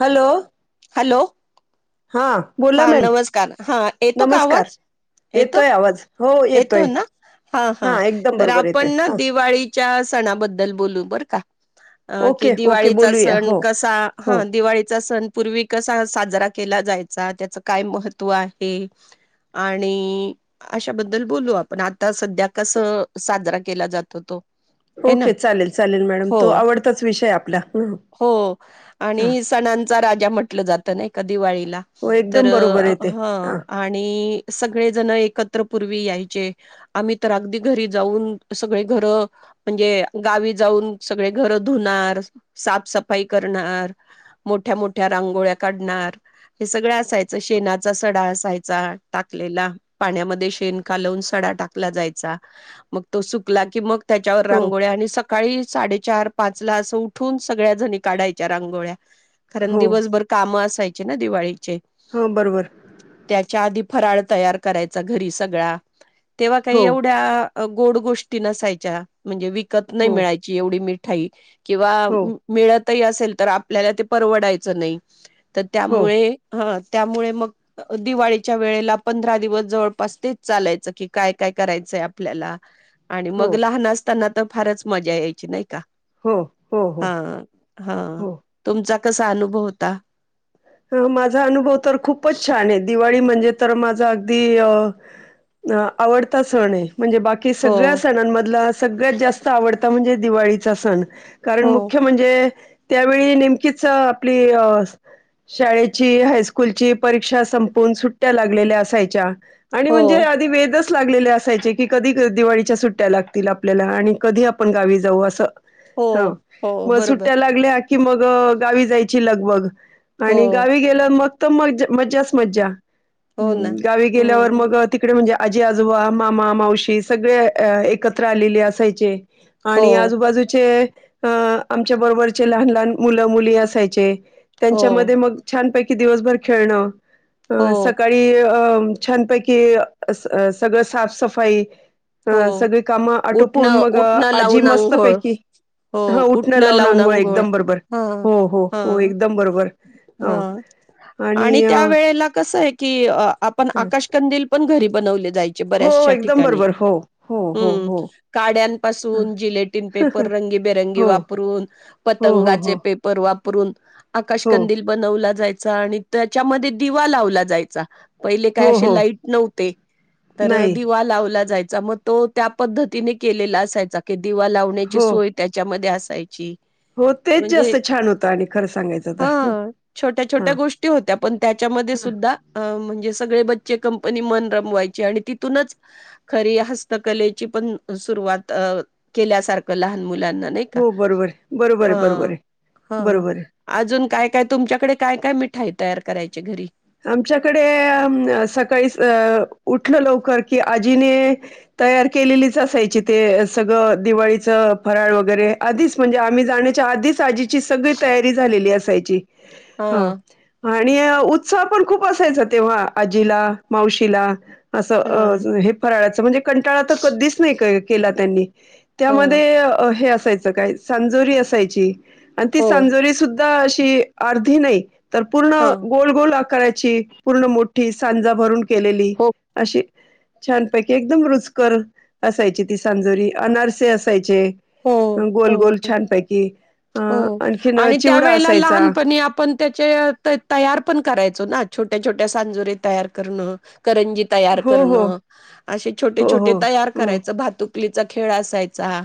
Hello. Hello हा बोला हा मॅम नमस्कार! हा येतो का नमस्कार आवाज. येतो, येतोय आवाज हो येतो येतोय ना हा हा एकदम तर बरोबर आपण येतोय ना हा दिवाळी च्या सणाबद्दल बोलू बरं का. अ की ओके ओके दिवाळीचा बोलूया सण हो कसा हो ह दिवाळीचा सण पूर्वी कसा साजरा केला जायचा, त्याच काय महत्त्व आहे आणि अशाबद्दल बोलू आपण आता सध्या कसं साजरा केला जातो तो. हे ना ओके चालेल चालेल मॅडम हो तो आवडताच विषय आपला ह ह. हो हा. आणि सणांचा राजा म्हटलं जात नाही का दिवाळीला हो तर एकदम बरोबर येते ह हा आणि सगळे जण एकत्र पूर्वी यायचे, आम्ही तर अगदी घरी जाऊन सगळे घर म्हणजे गावी जाऊन सगळे घर धुणार साफसफाई करणार, मोठ्या मोठ्या मोठ्या रांगोळ्या काढणार. हे सगळं असायच. शेणाचा सडा असायचा टाकलेला पाण्यामध्ये शेण कालवून सडा टाकला जायचा मग तो सुकला की मग त्याच्यावर हो रांगोळ्या आणि स सकाळी साडेचार पाच ला असं उठून सगळ्या जणी काढायच्या रांगोळ्या कारण हो दिवसभर कामं असायच ना दिवाळी चे हो बरोबर त्याच्या आधी फराळ तयार करायचा घरी सगळा तेव्हा काही हो एवढ्या गोड गोष्टी नसायच्या म्हणजे विक त नाही हो मिळायची एवढी मी ठा किंवा हो मिळत असेल तर आपल्याला ते परवडायच नाही तर हो त्यामुळे हा त्यामुळे मग दिवाळीच्या वेळेला पंधरा दिवस जवळपास तेच चालायचं की काय काय करायचंय आपल्याला आणि हो मग लहान असताना तर फारच मजा यायची नाही का हो हो हो हा हा हो तुमचा कसा अनुभव होता? ह माझा अनुभव तर खूपच छान आहे दिवाळी म्हण जे तर माझा अगदी अ अ आवडता सण आहे. म्हणजे बाकी हो सगळ्या सणांमधला सगळ्यात जास्त आवडता म्हणजे दिवाळीचा सण. कारण हो मुख्य म्हणजे त्यावेळी नेमकीच अ आपली अ शाळेची हायस्कूलची परीक्षा संपून सुट्ट्या लागलेल्या असायच्या. आणि हो म्हणजे आधी वेदस लागलेले असायचे की कधी दिवाळीच्या सुट्ट्या लागतील आपल्याला आणि कधी आपण गावी जाऊ असं. हो ह हो म बरोबर सुट्ट्या लागल्या की मग गावी जायची लगबग. हो आणि गावी गेलं मग त मज मजाच मज्जा हो ना हम्म गावी गेल्यावर हम्म मग तिकडे म्हणजे आजी आजोबा मामा मावशी सगळे अ एकत्र आलेले असायचे. हो आणि आजूबाजूचे अ आमच्या बरोबरचे लहान लहान मुलं मुली असायचे हो च्या मध्ये मग छान पै की दिवसभर खेळणं हो अ सकाळी अ छानपैकी अस अ सगळं साफसफाई हो ह सगळी काम आटोपून उठणं मग उठणं आजी लावून मस्त आंघोळ पैकी ह उठणं लावून आंघोळ एकदम बरोबर हा हो हो हो हा एकदम बरोबर. हा ह आणि त्या वेळेला कस आहे की आपण हं. आकाशकंदील पण घरी बनवलेत जायचे हो बऱ्याचशा एकदम ठिकाणी बरोबर हो हो हो हम्म हो हं. काड्यांपासून जिलेटिन पेपर रंगीबेरंगी हो वापरून हो हो पतंगाचे हो पेपर वाप परून हो आकाशकंदील बनवला जाय चा आणि त्याच्यामध्ये दिवा लावला जायचा. पहिले काय हो असे हो लाईट नव्हते तर नाही दिवा लावला जाय चा म तो त्या पद्धतीने केलेला असायचा की दिवा लावण्याची हो सोय त्याच्यामध्ये अस असायची हो तेच म्हणजे जास्त छान होतं आणि खरं सांगायचं तर ह हा छोट्या हा छोट्या गोष्टी होत्या पण त्याच्यामध्ये सुद्धा म्हणजे सगळे बचे कंपनी मन रामवयाचे तथूनच खरी हस्तकलेची पण सुरुवात केल्यासारखं लहान मुणी मुलांना नाही का हो बरोबर आहे. बरोबर आहे बरोबर हा आहे हा बरोबर आहे अजून काय काय तुमच्याकडे काय काय मिठाई तयार करायची घरी आमच्याकडे सकाळी उठलं लवकर की आजीने तयार केलेलीच असायची ते सगळं दिवाळीच फराळ वगैरे आधीच म्हणजे आम्ही जाण्याच्या आधीच आजी ची सगळी तयारी झालेली असायची हा हो. आणि उत्साह पण खूप असायचा तेव्हा आजीला मावशीला असं हां, अ हे फराळाचं म्हणजे कंटाळा तर कधीच नाही काय केला त्यांनी हां. त्यामध्ये हे अस असायच काय सांजोरी असायची आणि ती हो, सांजोरी सुद्धा अशी अर्धी नाही तर पूर्ण हां. गोल् आकारची पूर्ण मोठी सांजा भरून केलेली हो. अशी छानपैकी एकदम रुचकर असायची ती सांजोरी अनारसे असायचे. हो गोल हो गोल छानपैकी. अ हो आणखीन आणि चिवडा त्यावेळेला असायचा लहानपणी आपण त्याचे तयार पण करायचो ना छोट्या छोट्या सांजुरे तयार करणं. करंजी तयार हो हो. करणं असे छोटे हो हो छोटे तयार हो करायचं भातूक आपलीचा खेळ असायचा.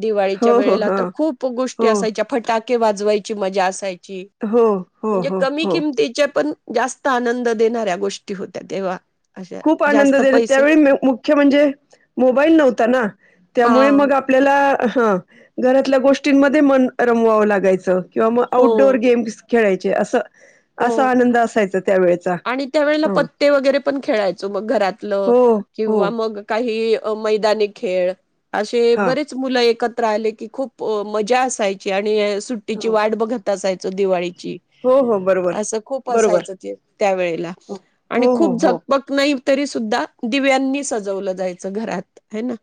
दिवाळीच्या हो हो वेळेला हा तर खूप गोष्टी हो असायच्या फटाक वाजवायची मजा असायची हो हो म्हणजे हो कमी हो किमतीच्या पण जास्त आनंद देणाऱ्या गोष्टी होत्या तेव्हा. अशा खूप आनंद जास्त पैसे त्यावेळी मुख्य म्हणजे मोबाईल नव्हता ना त्यामुळे हा मग आपल्याला हा घरातल्या गोष्टींमध्ये मन रमवावं लागायचं. किंवा मग हो आऊट डोअर गेम्स खेळायचे असं हो असा आनंद असायचा त्या वेळेचा हा. खेळायच मग घरात किंवा मग काही मैदानी खेळ असे हा बरेच मुलं एकत एकत्र आले की खूप मजा असायची आणि सुट्टीची हो वाट बघत असा दिवाळी हो हो बरोब असं खूप असायचं ते त्या वेळेला हो आणि हो हो खूप हो झगपक नाही तरी सुद्धा दिव्यांनी सजवलं जायचं घरात हाय ना.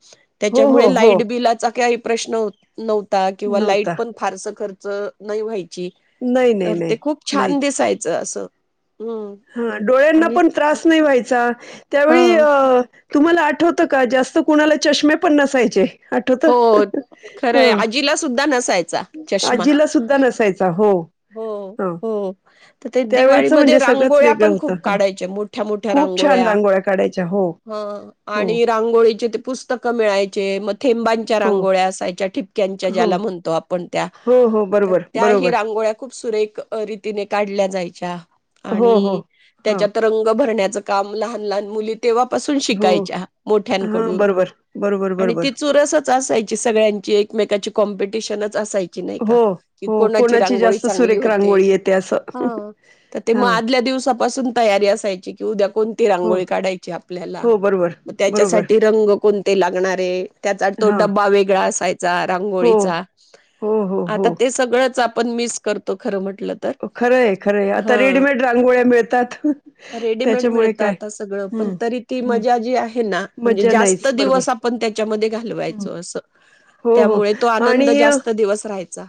हो हो त्याच्यामुळे हो, लाईट बिलाचा काही प्रश्न नव्हत किंवा लाईट नव्हता पण फारस खर्च च नाही व्हा की नाही नाही तर ते नाही खूप छा छान दिसायचं असं. हा डोळ्यांना आणि पण त्रास नाही व्हायचा. त्यावेळी हा अ तुम्हाला आठवतं का? जास्त कुणाला चष्मे पण नसायचे. आठवत हो [unintelligible] ह खरंय आजीला सुद्धा नसायचा चष्मा. आजीला सुद्धा नसायचा. हो हो. हा हो तर ते दिवाळीमध्ये रांगोळ्या पण होतं. खूप हं. काढायचे मोठ्या मोठ्या खूप छान रांगोळ्या. काढायच्या. हो, ह हो, आणि रांगोळीचे ते पुस्तकं मिळायचे. म थेंबांच्या हो, रांगोळ्या असायच्या, ठिप क्यांच्या हो, ज्याला म्हणतो आपण. हो हो, तर बरोबर, त्याही बरोबर. रांगोळ्या खूप सुरेख रीतीने काढल्या जायच्या. हो, हो, आणि हां, त्याच्यात रंग भरण्याच काम लहान लहान मुलीत तेव्हापासून हो, शिकायच्या, हां, मोठ्यांकडून बरोबर, बरोबर, आणि बरोबर. ती चुरसच असायची सगळ्यांची, एकमेकाची कॉम्पिट टिशन असायची नाही का? हो, की हो, कोणाची रांगोळी जास्त चांगली सुरेख होते. रांगोळी येते असं. हा त ते म हां, आदल्यादिवसापासून तयारी असायची की उद्या कोणती हो, रांगोळी काढायची आपल्याला. हो, बरोबर, मग बरोबर. त्याच्यासाठी रंग को कोणते लागणारे. त्याचा तो हां, डब्बा वेगळा असाय चा हो. रांगोळीचा, हो, हो, आता ते हो. सगळंच आप पण मीस करतो खरं म्हट मनल तर. खरं आहे, खरं आहे. आता हा, रेडीमेड रांगोळ्या मिळतात. रेडिमेड त्याच्यामुळे मिळत काय आता सगळं पण, हं, तरी ती हं. मजा जी आहे ना, म्हणजे मज्जा जास्त नाहीच. बरोबर. दिवस आपण त्याच्यामध्ये हं. घालवायचो, अस, हो, हो. त्यामुळे तो आनंद जास्त दिवस राहायचा.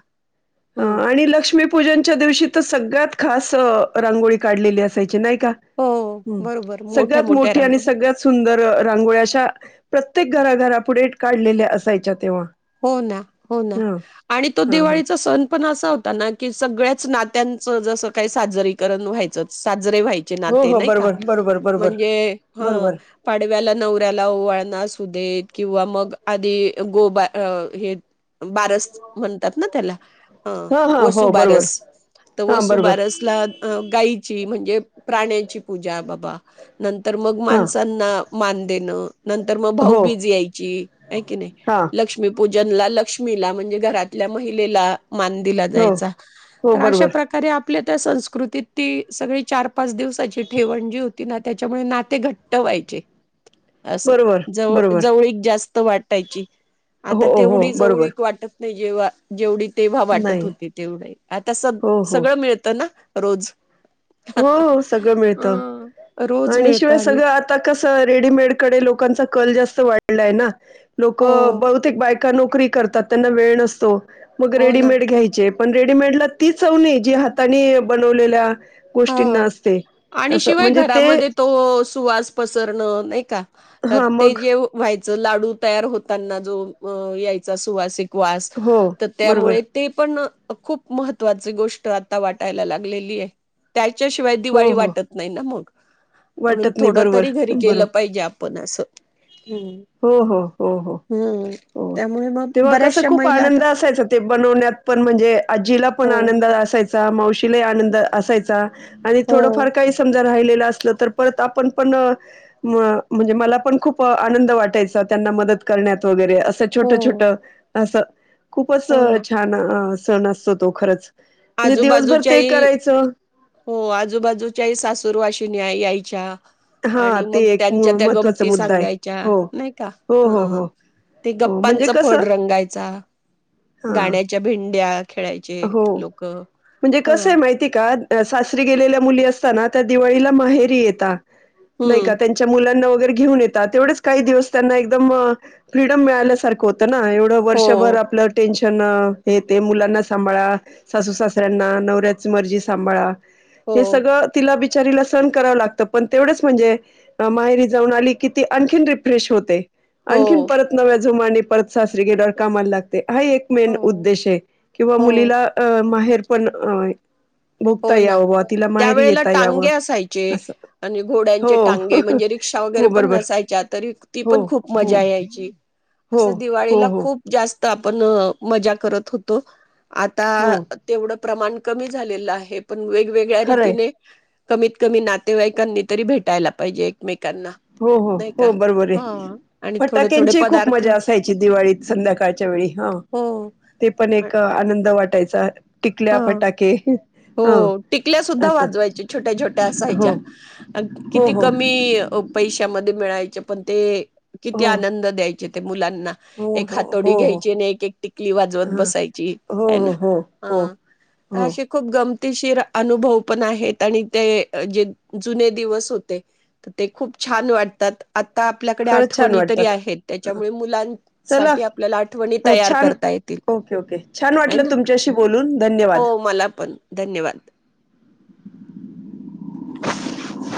ह हम्म. आणि लक्ष्मी पूजनच्या दिवशी तर सगळ्यात खास अ रांगोळी काढलेली असायची, नाही का? हो ह, बरोबर मोठ्या सगळ्यात मोठ्या मोठी आणि रांगोळ्या सगळ्यात सुंदर अं रांगोळ्या अशा प्र त्येक घरा- घरा पुढे काढलेल्या असायच्या तेव्हा. हो ना, हो ना हं, आणि तो हां, हां. दिवाळीचा सण पण असा होता ना की, सगळ्याच नात्यांचं जस काही साजरीकरण व्हायचं. साज रे व्हायचे हो, नाते, हो. नाही का? बरोबर, बरोबर, बरोबर. म्हणजे हं बरोबर. पाडव्याला नवऱ्याला ओवळण असू दे किंवा मग आधी गोबा अ हे बारस म्हणतात ना त्याला. ह, हां, हां. हो, बरोबर. वसुबारस तर हां, बरोबर. वसुबारसला अं गाईची म्हणजे प्राण्यांची पूजा बाबा नंतर मग हां. माणसांना, मान देणं.. नंतर मग हो. भाऊबीज यायची आहे कि नाही हां. लक्ष्मीपूजनला लक्ष्मीला, म्हणजे घरातल्या महिलेला. मान दिला हो जायचा, हो तर अशा बरोबर प्रकारे आप.. आपल्या त्या संस्कृतीत ती सगळी चार पाच दिवसाची ठेवण जी होती ना, त्याच्यामुळे नाते घट्ट व्हायचे. अस बरोबर जव.. बरोबर जवळीक जास्त.. वाटायची.. आता हो हो तेवढी बरोबर जवळीक वाटत.. नाही जेव्हा जेवढी.. तेव्हा वाटत नाही होती तेवढी आता सग.. हो सगळं मिळत ना.. रोज.. हो हो सगळं अ मिळत रोज आणि मिळतं शिवाय सगळं आता कसं रेडीमेडकडे लोकांचा कल जास्त वाढ.. लाय ना.. लोक... हो, बहुतेक बायक का नोकरी करतात, त्यांना वेळ नसतो मग हो ना. रेडीमेड घ्यायचे. पण रेडीमेडला ती चव नाई जी हातानी बनवलेल्या गोष्टींना हो असते आणि असं शिवाय म्हणजे ते घरामध्ये तो सुवास पसरणं नाय का हा ते मग जे व्हाय जो लाडू तयार होताना जो व यायचा सुवास एक वास हो त बरोबर त्यामुळे ते पण खूप महत्त्वाची गोष्ट आता वाटायला लागलेली ये च्याशिवाय हो दिवाळी हो वाटत नाय ना मग म्हणून वाटत नाही थोड बरोबर तरी घरी बरोबर केलं पाहिजे आपण असं. हम्म. हो हो हो हो हम्म हो त्यामुळे मग तेव्हा कस बऱ्याचशा खूप महिला आता आनंद असायचा ते बनवण्यातपण म्हणजे आजीला पण हो. आनंद असायचा चा मावशीला आनंद असायचा आणि हो हो थोडंफार काही समजा राहिले ते असलं तर परत आपण पण न म म्हणजे मला पण खूप आनंद वाट त्याचा त्यांना मदत करण्यात वगैरे असं छोट छोट हो असं खूपच हो ना छान सण असतो तो खरच आजूबाजूच्याही हो आजूबाजूच्याही सासूर वाशीन यायच्या हां, आणि ते मग एक म त्यांच्या त्या महत्त्वाचा गमती मुद्दा आहे. सांगायच्या हो. नाय का हो, हो, ह हो, ते हो. म्हणजे गप्पांचा कसं फड रंगायचा हां. गाण्याच्या भेंड्या खेळायचे हो. लोक ह म्हणजे कस ये माहिते का सासरी गेलेल्या मुली असताना त्या दिवाळीला माहेरी येता नाय हम्म का त्यांच्या मुलांना तर घेऊन येतात तेवढच काही दिवस त्यांना एकदम फ्रीडम मिळाल्यासारखं होत. तर ना एवड हो वर्षभर आपल टेंशन त्यांना हे ते मुलांनाच सांभाळा सासू सासऱ्यांना नवऱ्याची मर्जी सांभाळा हो हे सगळं तिला वि बिचारीला सण कराव लागत पण तेवढंच म्हणजे माहेरी जाऊन आली की ती आणखीन रिफ्रेश होते. हो आणखीन परत नव्या जुमाने परत सासरी गेल्यावर कामाला लागते. हा एक मेन हो उद्देश आहे किंवा हो मुलीला माहेर पण भोगता हो ना यावं बा तिला माहेरी त्यावेळेला येता टांगे यावं असायचे असं आणि हो घोड्यांचे टांगे म्हणजे रिक्षा वगैरे हो पण बरोबर नसायच्या तरी ती हो पण खूप हो मजा यायची हो असं हो दिवाळीला हो खूप जास्त तर आपण मजा करत होतो आता हो तेवढं प्रमाण कमी झालेलं आहे पण वेगवेगळ्या खरंय रीतीने कमीत कमी नातेवाईकांनी तरी भेटायला पाहिजे एकमेक हो हो हो बरोबर आहे आणि थोडे थोडे फटाक्यांची खूप पदार्थ मजा असायची दिवाळीत संध्याकाळच्या वेळी ह हो ते पण एक आनंद वाट त्याचा ह हो टिकल्या सुद्धा असं वाजवायच्या छोट्या छोट्या हो असायच्या किती हो हो कमी पैशे मध्ये मिळायचे पण ते किती हो आनंद द्यायचे ते मुलांना हो एक हो हातोडी हो हो घ्यायची आणि एक एक टिकली वाजवत हा बसायची हो आहे ना हो हो ह हो अ हो खूप ग गमतीशीर शीर अनुभव पण आहेत आणि ते जे जुने दिवस होते ते खूप छान वाटतात आता आपल्याकडे खरंच छान आठवणी तरी वाटतात आहेत ह त्याच्यामुळे चला मुलांसाठी आपल्याला आठवणी तयार छान करता येतील आहे ना बून हो धन्यवाद मला पण धन्यवाद